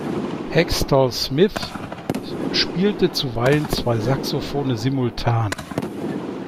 Heckstall-Smith spielte zuweilen zwei Saxophone simultan.